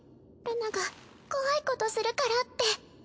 ルナが怖いことするからって。